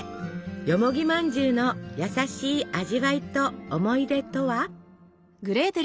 よもぎまんじゅうの優しい味わいと思い出とは？